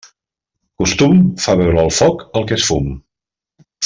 Costum fa veure foc el que és fum.